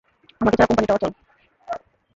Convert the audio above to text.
আমাকে ছাড়া কোম্পানিটা অচল।